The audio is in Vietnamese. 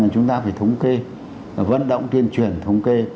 chúng ta phải thống kê vận động tuyên truyền thống kê